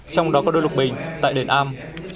trong đó có đôi lục bình tại đền am